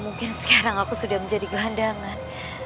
mungkin sekarang aku sudah menjadi gelandangan